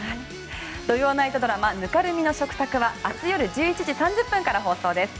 土曜ナイトドラマ「泥濘の食卓」は明日夜１１時３０分から放送です。